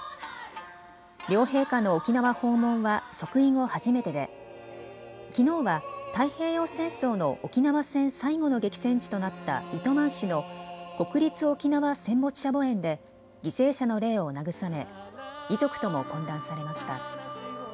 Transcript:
両陛下の沖縄訪問は即位後初めてできのうは太平洋戦争の沖縄戦最後の激戦地となった糸満市の国立沖縄戦没者墓苑で犠牲者の霊を慰め遺族とも懇談されました。